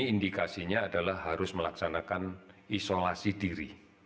indikasinya adalah harus melaksanakan isolasi diri